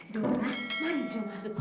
dora mari jom masuk